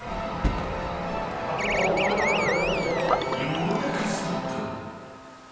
［ようやくストップ］